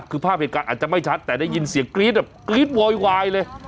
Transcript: คือภาพเหตุการณ์อาจจะไม่ชัดแต่ได้ยินเสียงกรี๊ดแบบกรี๊ดโวยวายเลย